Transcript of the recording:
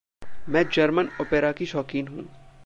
मैं German opera की शौकीन हूँ।